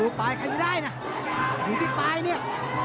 ยอดไปใครได้นะหรือที่ป้ายเนี่ย